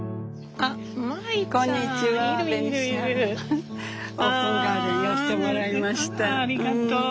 ああありがとう。